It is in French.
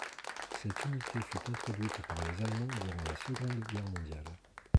Cette unité fut introduite par les Allemands durant la Seconde Guerre mondiale.